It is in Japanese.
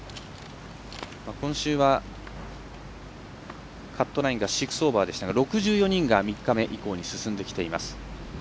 今週は、カットラインが６オーバーでしたが６４人が３日以降に進んできています。